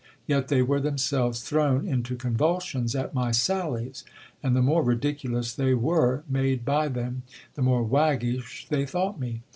Yet they were themselves thrown into convulsions at my sallies ; and the more ridiculous they were made by them, the more waggish they thought me.